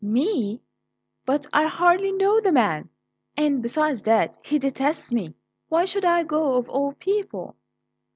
"Me? But I hardly know the man; and besides that, he detests me. Why should I go, of all people?"